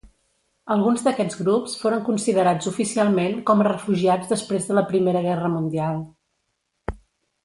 Alguns d'aquests grups foren considerats oficialment com a refugiats després de la Primera Guerra Mundial.